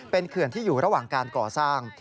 เป็นเขื่อนที่อยู่ระหว่างการก่อสร้าง